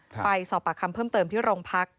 ไปสอบปากคำเพิ่มเติมที่โรงพัก